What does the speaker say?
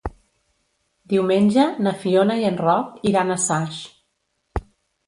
Diumenge na Fiona i en Roc iran a Saix.